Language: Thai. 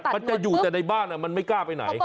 มันจะอยู่แต่ในบ้านมันไม่กล้าไปไหน